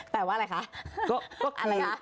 แปลว่าอะไรคะ